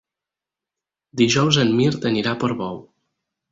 Dijous en Mirt anirà a Portbou.